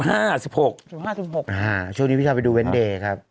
ช่วงนี้พี่พาไปดูเว้นเดย์ครับ